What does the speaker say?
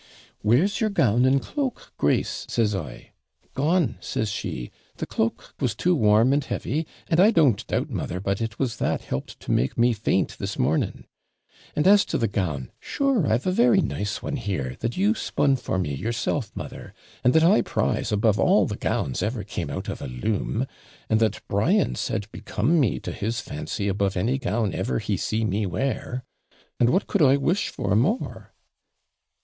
'"Where's your gown and cloak, Grace!" says I. "Gone," says she. "The cloak was too warm and heavy, and I don't doubt, mother, but it was that helped to make me faint this morning. And as to the gown, sure I've a very nice one here, that you spun for me yourself, mother; and that I prize above all the gowns ever came out of a loom; and that Brian said become me to his fancy above any gown ever he see me wear; and what could I wish for more?"